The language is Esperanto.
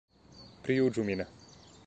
Prijuĝu min!